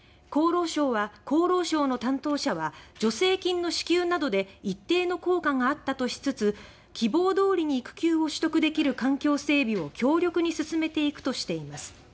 厚労省の担当者は助成金の支給などで一定の効果があったとしつつ「希望通りに育休を取得できる環境整備を強力に進めていく」としています。